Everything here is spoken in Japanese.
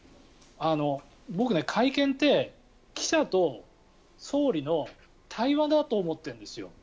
僕、会見って記者と総理の対話だと思ってるんです。